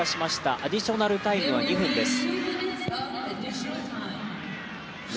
アディショナルタイムは２分です。